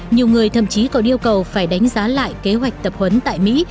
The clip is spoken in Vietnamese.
nhiều người thậm chí còn yêu cầu phải đánh giá lại kế hoạch tập huấn tại mỹ